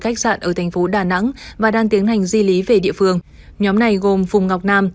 khách sạn ở thành phố đà nẵng và đang tiến hành di lý về địa phương nhóm này gồm phùng ngọc nam